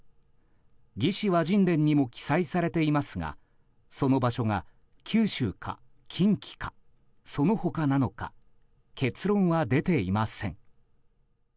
「魏志倭人伝」にも記載されていますがその場所が、九州か近畿かその他なのか結論は出ていません。